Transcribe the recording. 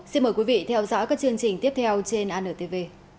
xin mời quý vị theo dõi các chương trình tiếp theo trên antv